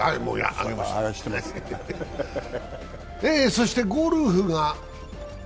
そしてゴルフ。